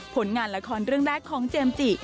ผลงานละครเรื่องแรกของเจมส์จิ